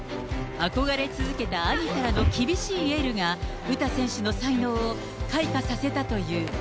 憧れ続けた兄からの厳しいエールが、詩選手の才能を開花させたという。